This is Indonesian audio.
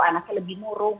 anaknya lebih murung